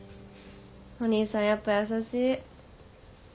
お兄さんやっぱ優しい。